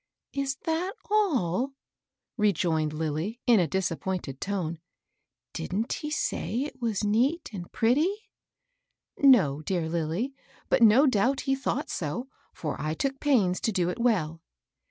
" Is that all ?'* rejoined Lilly, in a disappcnnted tone. Didn't he say it was neat and pretty ?" "No, dear Lilly. But no doubt he thought so, for I took pains to do it well."